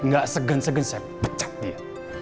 gak segen segen saya pecat dia